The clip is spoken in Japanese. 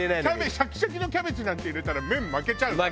シャキシャキのキャベツなんて入れたら麺負けちゃうから。